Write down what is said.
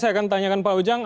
saya akan tanyakan pak ujang